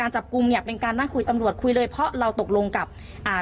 จับกลุ่มเนี่ยเป็นการนั่งคุยตำรวจคุยเลยเพราะเราตกลงกับอ่า